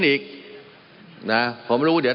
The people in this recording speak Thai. มันมีมาต่อเนื่องมีเหตุการณ์ที่ไม่เคยเกิดขึ้น